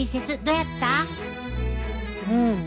うん。